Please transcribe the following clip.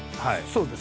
そうです。